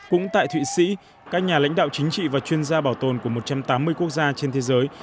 cũng tại thụy sĩ các nhà lãnh đạo chính trị và chuyên gia bảo tồn của một trăm tám mươi quốc gia trên thế giới